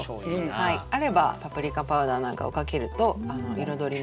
あればパプリカパウダーなんかをかけると彩りも。